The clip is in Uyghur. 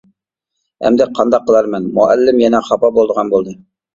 ئەمدى قانداق قىلارمەن، مۇئەللىم يەنە خاپا بولىدىغان بولدى.